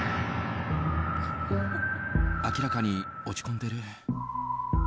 明らかに落ち込んでる。